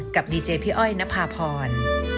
กับดีเจพี่อ้อยณพาพร